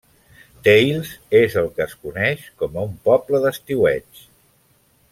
Tales és el que es coneix com un poble d'estiueig.